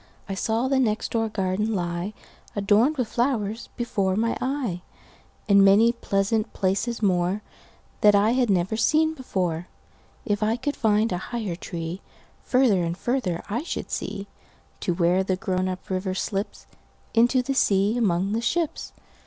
I saw the next door garden lie, Adorned with flowers, before my eye, And many pleasant places moreThat I had never seen before. If I could find a higher treeFarther and farther I should see, To where the grown up river slipsInto the sea among the ships.